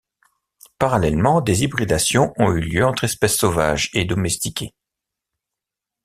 Parallèlement, des hybridations ont eu lieu entre espèces sauvages et domestiquées.